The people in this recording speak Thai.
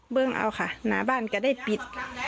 เบื้องเอาค่ะหน้าบ้านก็ได้ปิด